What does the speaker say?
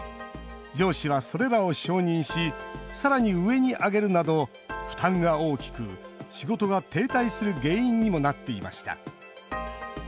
上司は、それらを承認しさらに上に上げるなど負担が大きく、仕事が停滞する原因にもなっていました。